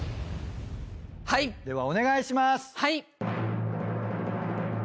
ではお願いします。